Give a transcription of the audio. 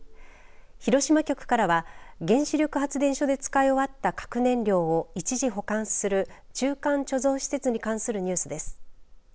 広島局からは原子力発電所で使い終わった核燃料を一時保管する中間貯蔵施設に関するニュースです。